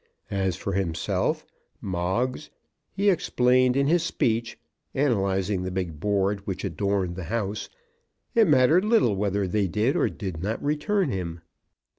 As for himself, Moggs, he explained in his speech, analysing the big board which adorned the house, it mattered little whether they did or did not return him.